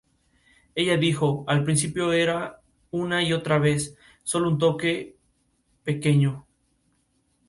Ella dijo: "Al principio era una y otra vez; solo un pequeño toque.